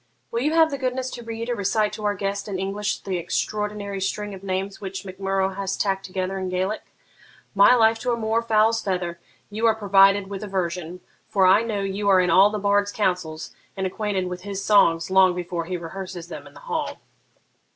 Will you have the goodness to read or recite to our guest in English the extraordinary string of names which Mac Murrough has tacked together in Gaelic? My life to a moor fowl's feather, you are provided with a version; for I know you are in all the bard's councils, and acquainted with his songs long before he rehearses them in the hall.'